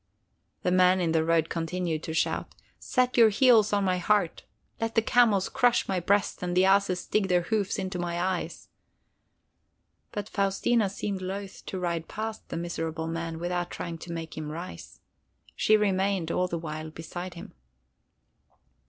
The man in the road continued to shout: "Set your heels on my heart! Let the camels crush my breast and the asses dig their hoofs into my eyes!" But Faustina seemed loath to ride past the miserable man without trying to make him rise. She remained all the while beside him.